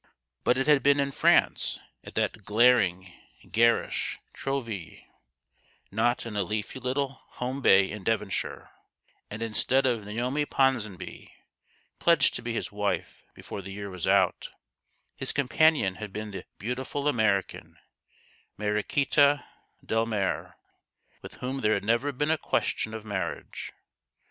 But it had been in France at that glaring, garish Trouville not in a leafy little home bay in Devonshire ; and, instead of Naomi Ponsonby, pledged to be his wife before the year was out, his companion had been the beautiful American, Mariquita Delrnare, with whom there had never been a question of marriage.